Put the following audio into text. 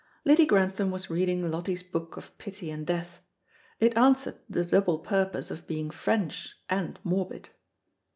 Lady Grantham was reading Loti's book of pity and death. It answered the double purpose of being French and morbid.